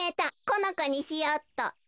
このこにしようっと。